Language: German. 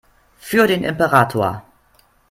Für den Imperator!